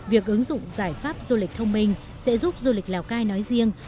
việc ứng dụng giải pháp du lịch thông minh sẽ giúp du lịch lào cai nói riêng